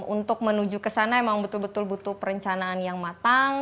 untuk menuju ke sana memang betul betul butuh perencanaan yang matang